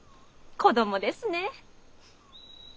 子供ですねッ！